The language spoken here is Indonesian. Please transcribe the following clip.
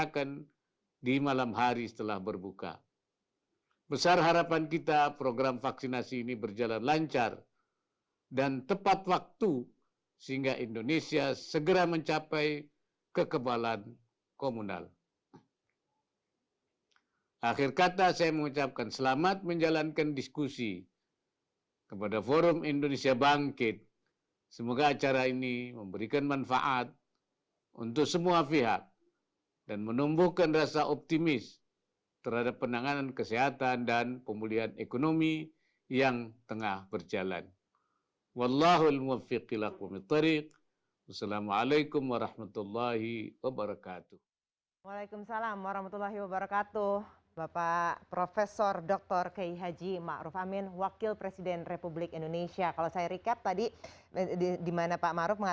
kalau saya recap tadi di mana pak ma'ruf mengatakan bahwa sebenarnya health is wealth